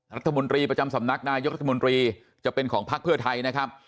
รัฐมนตรีประจำสำนักนายกรัฐมนตรีจะเป็นของพักเพื่อไทยนะครับ